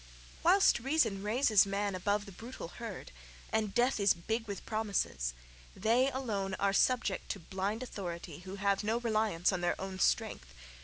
Whilst reason raises man above the brutal herd, and death is big with promises, they alone are subject to blind authority who have no reliance on their own strength.